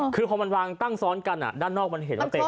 คือพอมันวางตั้งซ้อนกันด้านนอกมันเห็นว่าเป็น